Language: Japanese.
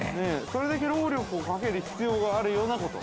◆それだけ労力をかける必要があるようなこと。